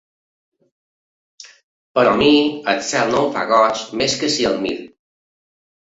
Però a mi el cel no em fa goig més que si el mire.